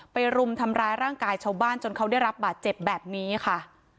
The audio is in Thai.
รุมทำร้ายร่างกายชาวบ้านจนเขาได้รับบาดเจ็บแบบนี้ค่ะ